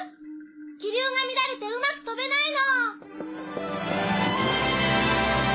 気流が乱れてうまく飛べないの。